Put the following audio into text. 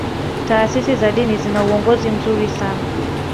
taasisi za dini zina uongozi mzuri sana